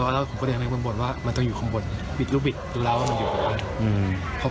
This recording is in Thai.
แล้วผมก็เรียกบางบทว่ามันต้องอยู่ข้างบนบิดรูปบิดรู้แล้วว่ามันอยู่ข้างบน